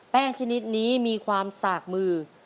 ชนิดนี้มีความสากมือ